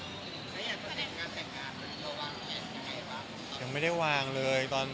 แล้วยังไม่ได้วางเลย